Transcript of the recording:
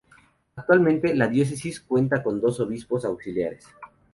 Actualmente, la diócesis cuenta con dos obispos auxiliares.